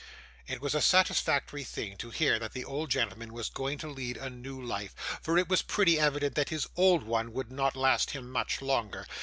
It was a satisfactory thing to hear that the old gentleman was going to lead a new life, for it was pretty evident that his old one would not last him much longer.